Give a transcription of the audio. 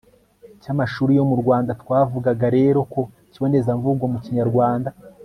cy'amashuri yo mu rwanda. twavuga rero ko ikibonezamvugo mu kinyarwanda